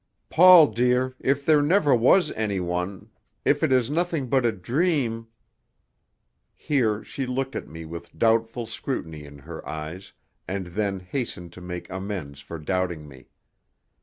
"Paul, dear, if there never was anyone if it is nothing but a dream " Here she looked at me with doubtful scrutiny in her eyes, and then hastened to make amends for doubting me.